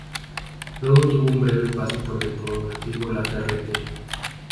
Luego tuvo un breve paso por Deportivo Laferrere.